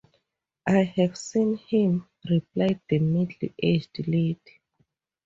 ‘I have seen him,’ replied the middle-aged lady.